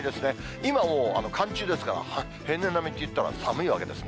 今もう寒中ですから、平年並みっていったら寒いわけですね。